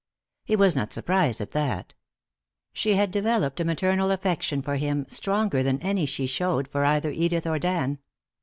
He was not surprised at that. She had developed a maternal affection for him stronger than any she showed for either Edith or Dan.